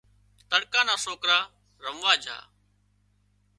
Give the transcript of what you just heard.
تڙڪا نا سوڪرا رموا جھا